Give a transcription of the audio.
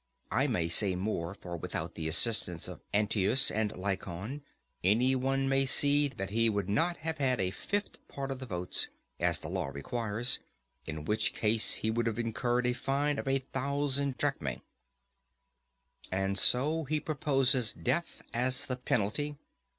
I may say more; for without the assistance of Anytus and Lycon, any one may see that he would not have had a fifth part of the votes, as the law requires, in which case he would have incurred a fine of a thousand drachmae. And so he proposes death as the penalty.